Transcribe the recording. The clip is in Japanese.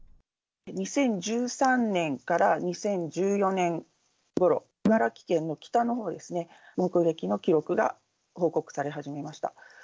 ２０１３年から２０１４年ごろ、茨城県の北のほうですね、目撃の記録が報告され始めました。